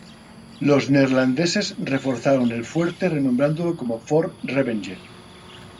Los neerlandeses reforzaron el fuerte renombrándolo como Fort Revenge.